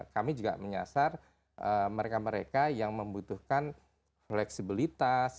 kami juga menyasar mereka mereka yang membutuhkan fleksibilitas